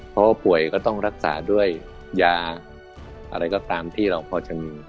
เพราะว่าป่วยก็ต้องรักษาด้วยยาอะไรก็ตามที่เราพอจะมี